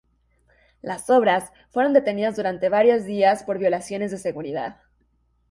Las obras fueron detenidas durante varios días por violaciones de seguridad.